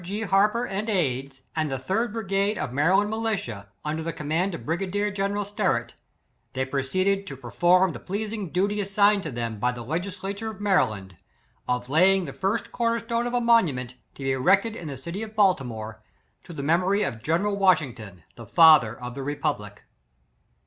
G. Harper and aids; and the third brigade of Maryland militia, un der the command of brigadier general Sterett; they proceeded to perform the pleasing duty assigned them by the legis lature of Maryland, of laying the first cor ner stone of a monument, to be erected in the city of Baltimore, to the memory of General Washington, the father of the republic.